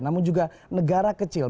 namun juga negara kecil